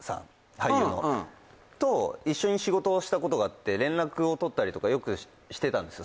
俳優のと一緒に仕事をしたことがあって連絡を取ったりとかよくしてたんですよ